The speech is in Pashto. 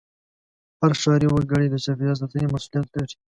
هر ښاري وګړی د چاپېریال ساتنې مسوولیت لري.